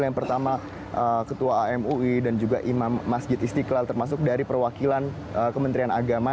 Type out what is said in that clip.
yang pertama ketua amui dan juga imam masjid istiqlal termasuk dari perwakilan kementerian agama